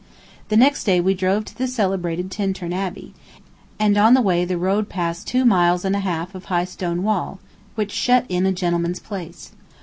The next day we drove to the celebrated Tintern Abbey, and on the way the road passed two miles and a half of high stone wall, which shut in a gentleman's place.